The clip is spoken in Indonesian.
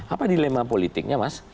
apa dilema politiknya mas